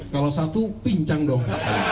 kalau satu pincang dong